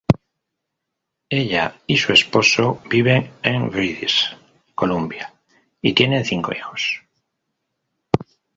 Ella y su esposo viven en British Columbia y tienen cinco hijos.